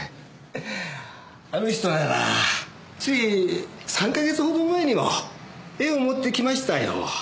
あの人ならつい３か月ほど前にも絵を持って来ましたよ。